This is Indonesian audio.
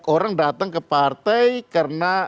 orang datang ke partai karena